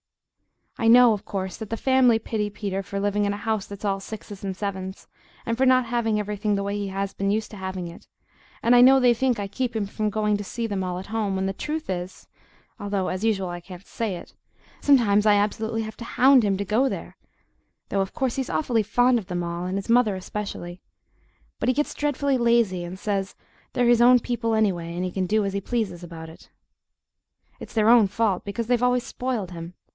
I know, of course, that the family pity Peter for living in a house that's all at sixes and sevens, and for not having everything the way he has been used to having it; and I know they think I keep him from going to see them all at home, when the truth is although, as usual, I can't say it sometimes I absolutely have to HOUND him to go there; though, of course, he's awfully fond of them all, and his mother especially; but he gets dreadfully lazy, and says they're his own people, anyway, and he can do as he pleases about it. It's their own fault, because they've always spoiled him.